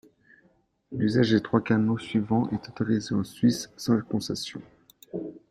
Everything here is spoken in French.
L'usage des trois canaux suivants est autorisé en Suisse, sans concession.